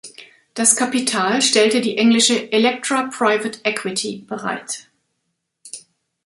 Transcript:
Das Kapital stellte die englische "Electra Private Equity" bereit.